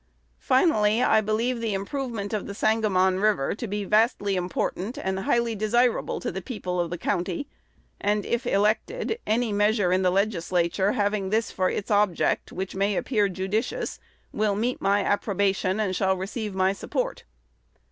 Finally, I believe the improvement of the Sangamon River to be vastly important and highly desirable to the people of the county; and, if elected, any measure in the Legislature having this for its object, which may appear judicious, will meet my approbation and shall receive my support.